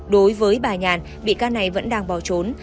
đối với bà nhàn bị can này vẫn đang bỏ trốn